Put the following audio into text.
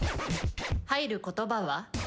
入る言葉は？